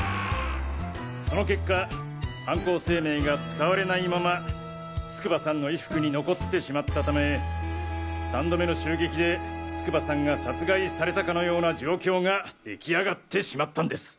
その結果犯行声明が使われないまま筑波さんの衣服に残ってしまったため三度目の襲撃で筑波さんが殺害されたかのような状況ができあがってしまったんです。